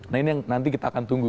nah ini yang nanti kita akan tunggu